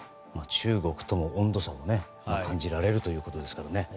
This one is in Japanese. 中国との温度差も感じられるということですけど。